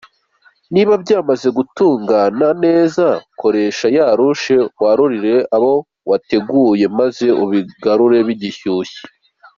Niba byamaze kumuka neza, koresha ya rushe warurire aho wateguye maze ubigabure bigishyuye.